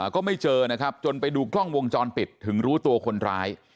ก็ไม่เจอนะครับจนไปดูกล้องวงจรปิดถึงรู้ตัวคนร้าย